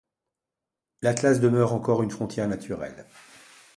L'Atlas demeure encore une frontière naturelle.